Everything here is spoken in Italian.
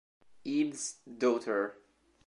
Eve's Daughter